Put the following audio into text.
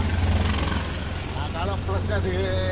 nah kalau plusnya di